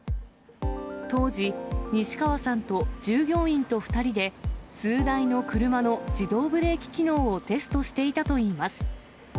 当時、西川さんと従業員と２人で、数台の車の自動ブレーキ機能をテストしていたといいます。